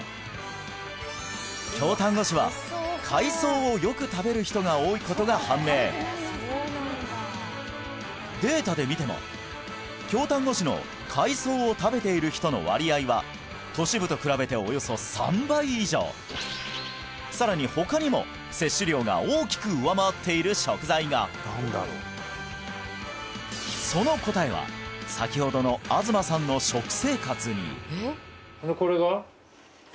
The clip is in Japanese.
京丹後市は海藻をよく食べる人が多いことが判明データで見ても京丹後市の海藻を食べている人の割合は都市部と比べておよそ３倍以上さらに他にも摂取量が大きく上回っている食材がその答えは先ほどのでこれが？